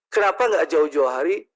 kenapa nggak jawa jawa hari